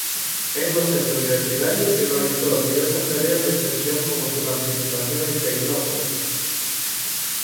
Es docente universitario y realizó diversas tareas de extensión como su participación en Tecnópolis.